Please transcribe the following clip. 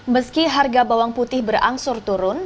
meski harga bawang putih berangsur turun